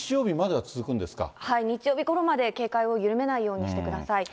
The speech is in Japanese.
はい、日曜日ごろまで警戒を緩めないようにしてください。